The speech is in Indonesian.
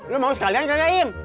lu mau sekalian kagain